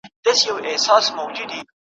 سهار به څرنګه بې واکه اونازک لاسونه `